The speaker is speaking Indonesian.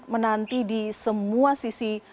menanti di semua sisi